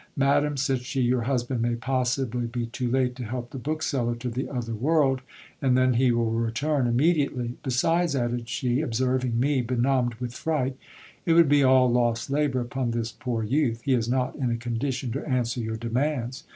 Madam, said she, your husband may possibly be too late to help the bookseller to the other world, and then he will return immediately. Besides, added she, observing me benumbed with fright, it would be all lost labour upon this poor youth ! He is not in a condition to answer your demands.